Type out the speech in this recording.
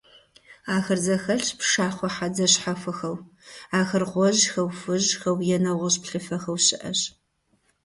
Ар зэхэлъщ пшахъуэ хьэдзэ щхьэхуэхэу, ахэр гъуэжьхэу, хужьхэу е нэгъуэщӀ плъыфэхэу щыӀэщ.